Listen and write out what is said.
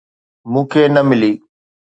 مون کي نه ملي.